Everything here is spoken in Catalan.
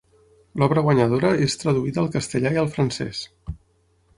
L'obra guanyadora és traduïda al castellà i al francès.